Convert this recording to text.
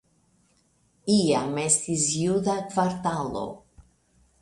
Iam estis juda kvartalo.